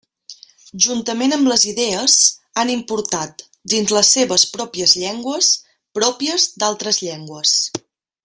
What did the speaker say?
Juntament amb les idees, han importat, dins les seves pròpies llengües, pròpies d'altres llengües.